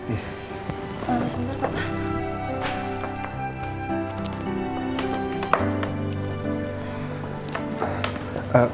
lepas bentar pak